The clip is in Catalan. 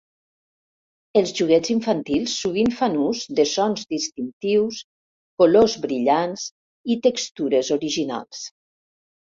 Els joguets infantils sovint fan ús de sons distintius, colors brillants i textures originals.